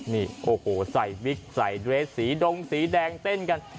นี่โอ้โหใส่วิกใส่เดรสสีดงสีแดงเต้นกัน